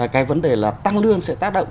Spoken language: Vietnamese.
cái vấn đề là tăng lương sẽ tác động